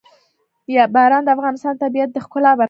باران د افغانستان د طبیعت د ښکلا برخه ده.